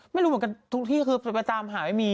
ไม่รู้เหมือนกันทุกที่คือไปตามหาไม่มี